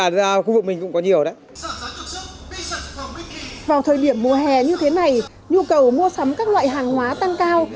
vào thời điểm mùa hè như thế này nhu cầu mua sắm các loại hàng hóa tăng cao